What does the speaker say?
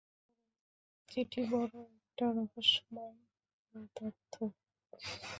চিঠি বড়ো একটা রহস্যময় পদার্থ।